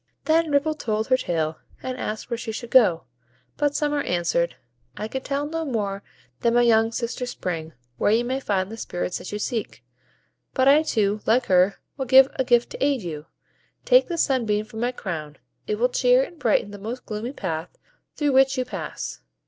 Then Ripple told her tale, and asked where she should go; but Summer answered,— "I can tell no more than my young sister Spring where you may find the Spirits that you seek; but I too, like her, will give a gift to aid you. Take this sunbeam from my crown; it will cheer and brighten the most gloomy path through which you pass.